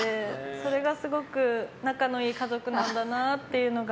それがすごく、仲のいい家族なんだなっていうのが。